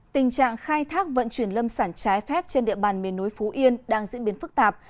tình trạng khai thác vận chuyển lâm sản trái phép trên địa bàn miền núi phú yên đang diễn biến phức tạp